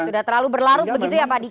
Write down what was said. sudah terlalu berlarut begitu ya pak diki ya